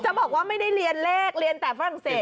จะบอกว่าไม่ได้เรียนเลขเรียนแต่ฝรั่งเศส